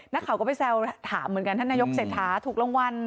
นักข่าวก็ไปแซวถามเหมือนกันท่านนายกเศรษฐาถูกรางวัล